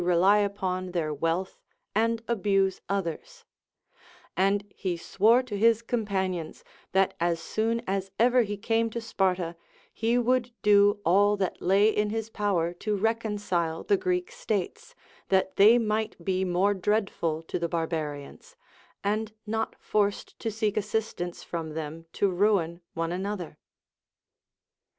413 rely upon their Avealth and abuse others ; and he swore to his companions that as soon as ever he came to Sparta, ho would do all that lay in his power to reconcile the Greek states, that they might be more dreadful to the barbarians, and not forced to seek assistance from them to ruin one another.